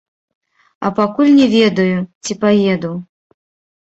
Я пакуль не ведаю, ці паеду.